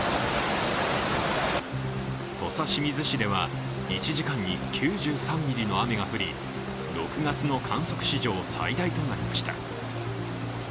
土佐清水市では１時間に９３ミリの雨が降り、６月の観測史上最大となりました。